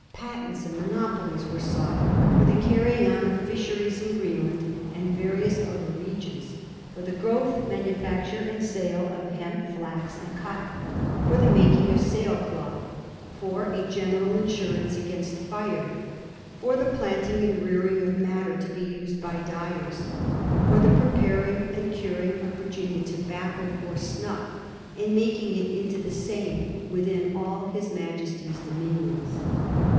Patents and monopolies were sought for the carrying on of fisheries in Greenland and various other regions ; for the growth, manufacture, and sale of hemp, flax, and cotton ; for the making of sail cloth ; for a general insurance against fire ; for the planting and rearing of madder to be used by dyers ; Digiti zed by Google 252 A mSTORT OF THE FOUR GEOBGES. OH. ZI» for the prepariiig and curing of Virginia tobacco for snuff, and making it into the same within all his Majesty^s dominions.